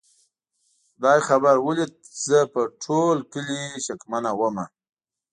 خدای خبر ولې زه په ټول کلي شکمنه ومه؟